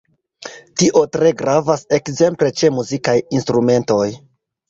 Tio tre gravas ekzemple ĉe muzikaj instrumentoj.